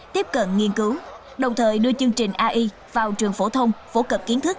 tiếp cận nghiên cứu đồng thời đưa chương trình ai vào trường phổ thông phổ cập kiến thức